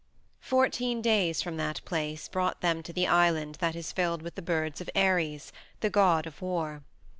Fourteen days from that place brought them to the island that is filled with the birds of Ares, the god of war.